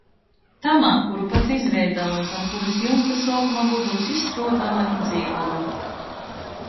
Tamā, kuru pats izveiduoja, zam kurys jumta suokuma godūs i struoduoja, i dzeivuoja.